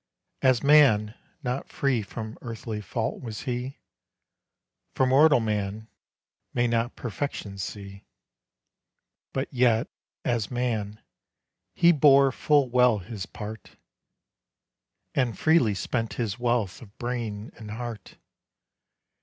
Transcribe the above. As man, not free from earthly fault was he, For mortal man may not perfection see; But yet, as man, he bore full well his part And freely spent his wealth of brain and heart.